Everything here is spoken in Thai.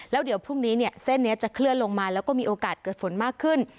แล้วเดี๋ยวพรุ่งนี้เส้นนี้จะเคลื่อนลงมาแล้วก็มีโอกาสเกิดฝนมากขึ้น